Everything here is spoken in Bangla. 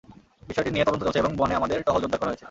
বিষয়টি নিয়ে তদন্ত চলছে এবং বনে আমাদের টহল জোরদার করা হয়েছে।